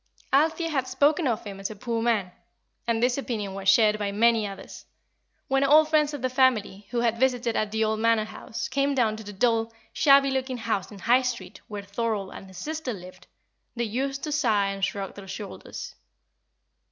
Althea had spoken of him as a poor man, and this opinion was shared by many others. When old friends of the family, who had visited at the old Manor House, came down to the dull, shabby looking house in High Street, where Thorold and his sister lived, they used to sigh and shrug their shoulders.